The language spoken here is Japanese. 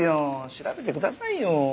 調べてくださいよ。